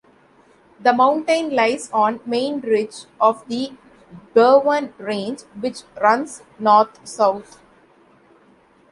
The mountain lies on main ridge of the Berwyn range which runs north-south.